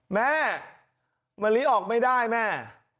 แม่มะลิออกไม่ได้แม่